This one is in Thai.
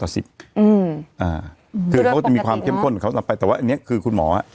คือเขาก็จะมีความเข้มข้นของเขาต่อไปแต่ว่าอันนี้คือคุณหมอ